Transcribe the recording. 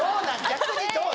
逆にどう？